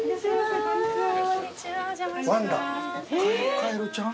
カエルちゃん？